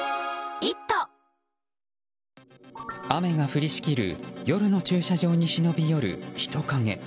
雨が降りしきる夜の駐車場に忍び寄る人影。